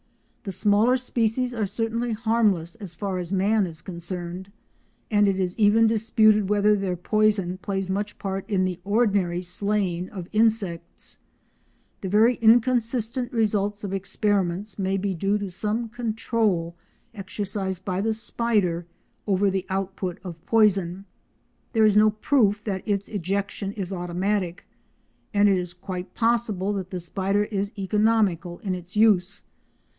The smaller species are certainly harmless as far as man is concerned, and it is even disputed whether their poison plays much part in the ordinary slaying of insects. The very inconsistent results of experiments may be due to some control exercised by the spider over the output of poison. There is no proof that its ejection is automatic, and it is quite possible that the spider is economical in its use.